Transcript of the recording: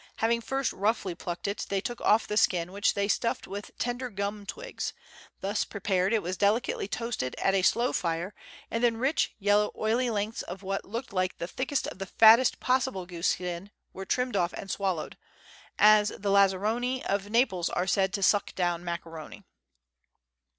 Having first roughly plucked it, they took off the skin, which they stuffed with tender gum twigs ; thus prepared, it was delicately toasted at a slow fire, and then rich, yellow, oily lengths of what looked Letters from Victorian Pioneers. 221 like the thickest of the fattest possible goose skin were trimmed off and swallowed, as the Lazaroni of Naples are said to suck down macaroni.